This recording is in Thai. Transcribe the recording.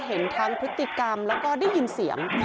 คือคลิปนี้สำคัญในแง่ที่ว่าเห็นทางพฤติกรรมแล้วก็ได้ยินเสียง